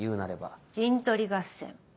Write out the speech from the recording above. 陣取り合戦。